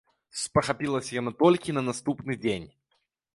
Спахапілася яна толькі на наступны дзень.